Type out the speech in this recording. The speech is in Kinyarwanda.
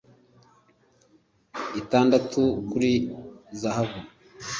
itandatu kuri zahabu